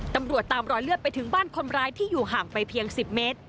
ตามรอยเลือดไปถึงบ้านคนร้ายที่อยู่ห่างไปเพียง๑๐เมตร